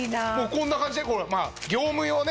こんな感じで業務用ね。